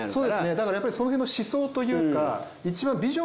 だからやっぱりその辺の思想というか。